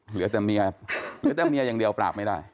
เหลือแต่เมียอย่างเดียวปราบไม่ได้